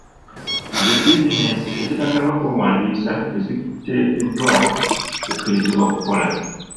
Zi bizinesi ezitanaba kwewandiisa teziteekeddwa kukkirizibwa kukola .